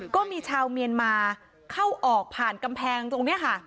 ก็มีชาวเมียนมาเข้าออกผ่านกำแพงตรงนี้ค่ะ